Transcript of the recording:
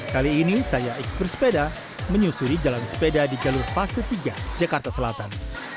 kali ini saya ikut bersepeda menyusuri jalan sepeda di jalur fase tiga jakarta selatan